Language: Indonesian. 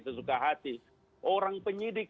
sesuka hati orang penyidik